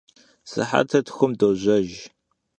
Sıhetır txum dojejj.